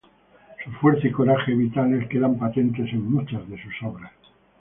Su fuerza y coraje vitales quedan patentes en muchas de sus obras.